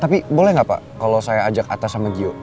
tapi boleh nggak pak kalau saya ajak atas sama gio